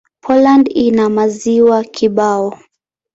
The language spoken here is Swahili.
Poland ina maziwa kibao.